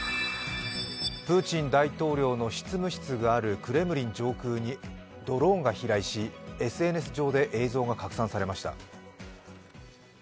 プーチン大統領の執務室があるクレムリン上空にドローンが飛来し、ＳＮＳ上で映像が拡散されました。